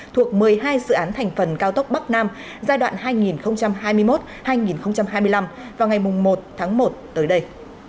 thuộc một mươi hai dự án thành phần cao tốc bắc nam giai đoạn hai nghìn hai mươi một hai nghìn hai mươi năm vào ngày một tháng một tới đây